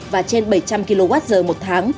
và trên bảy trăm linh kwh một tháng